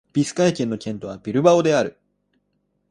ビスカヤ県の県都はビルバオである